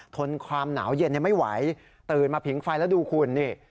ทนความหนาวเย็นไม่ไหวตื่นมาผิงไฟแล้วดูคุณนี่